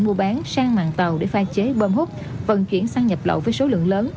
mua bán sang mạng tàu để pha chế bơm hút vận chuyển sang nhập lậu với số lượng lớn